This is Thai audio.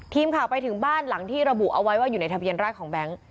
ทีมข่าวไปถึงบ้านหลังที่ระบุเอาไว้ว่าอยู่ในทะเบียนราชของแบงค์